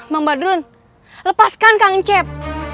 mbak mbak durun lepaskan kang encep